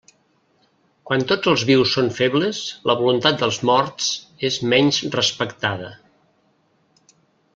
Quan tots els vius són febles, la voluntat dels morts és menys respectada.